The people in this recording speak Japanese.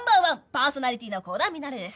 パーソナリティーの鼓田ミナレです。